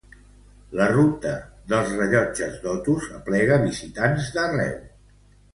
La ruta dels rellotges d'Otos aplega visitants d'arreu.